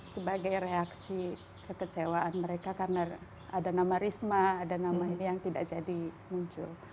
sebagai reaksi kekecewaan mereka karena ada nama risma ada nama ini yang tidak jadi muncul